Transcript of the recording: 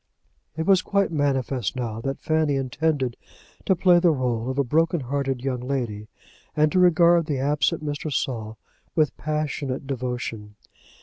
It was quite manifest now that Fanny intended to play the role of a broken hearted young lady, and to regard the absent Mr. Saul with passionate devotion.